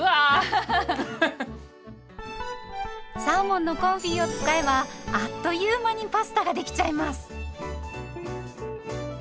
サーモンのコンフィを使えばあっという間にパスタができちゃいます。